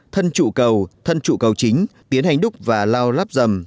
thân trụ cầu thân trụ cầu chính tiến hành đúc và lao lắp rầm